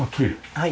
はい。